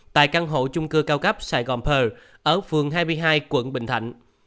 tại căn hộ trung cư cao cấp saigon pearl ở phường hai mươi hai quận bình thạnh